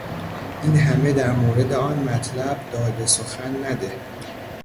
این همه در مورد آن مطلب داد سخن نده.